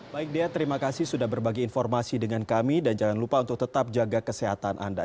baik dian terima kasih sudah berbagi informasi dengan kami dan jangan lupa untuk tetap jaga kesehatan anda